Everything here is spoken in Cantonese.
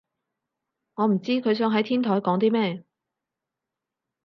我唔知佢想喺天台講啲咩